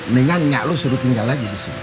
nih kan emak lu suruh tinggal lagi disini